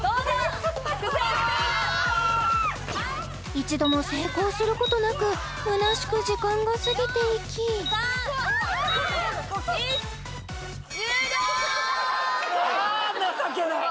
一度も成功することなくむなしく時間が過ぎていき３２１終了！